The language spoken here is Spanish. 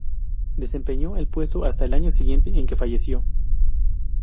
Desempeñó el puesto hasta el año siguiente en que falleció.